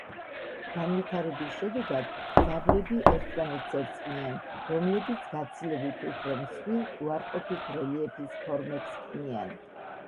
განვითარების შედეგად ძაბრები ერთმანეთს ერწყმიან, რომლებიც გაცილებით უფრო მსხვილ უარყოფით რელიეფის ფორმებს ქმნიან.